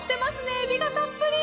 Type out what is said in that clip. エビがたっぷり。